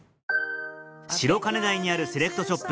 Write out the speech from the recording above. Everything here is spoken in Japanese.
白金台にあるセレクトショップ